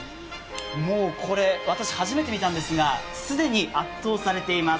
もうこれ、私初めて見たんですが、既に圧倒されています。